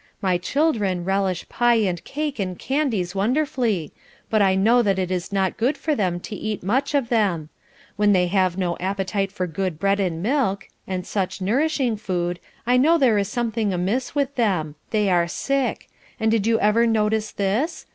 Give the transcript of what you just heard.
My children relish pie and cake and candies wonderfully, but I know it is not good for them to eat much of them. When they have no appetite for good bread and milk, and such nourishing food, I know there is something amiss with them they are sick and did you ever notice this?